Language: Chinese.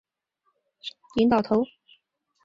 该导弹配备了导引头。